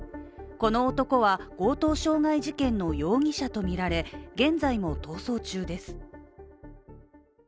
この男は、強盗傷害事件の容疑者とみられ現在も逃走中です。